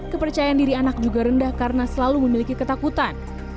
kepercayaan diri anak juga rendah karena selalu memiliki ketakutan